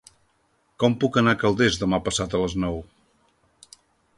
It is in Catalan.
Com puc anar a Calders demà passat a les nou?